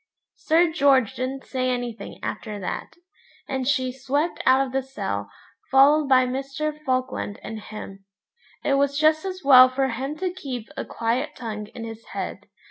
Sir George didn't say anything after that, and she swept out of the cell, followed by Mr. Falkland and him. It was just as well for him to keep a quiet tongue in his head.